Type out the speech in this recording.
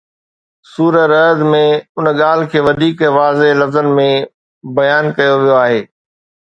سوره رعد ۾ ان ڳالهه کي وڌيڪ واضح لفظن ۾ بيان ڪيو ويو آهي